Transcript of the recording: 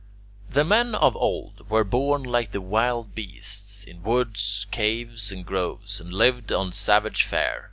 The men of old were born like the wild beasts, in woods, caves, and groves, and lived on savage fare.